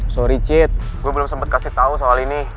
sorry cid gue belum sempet kasih tau soal ini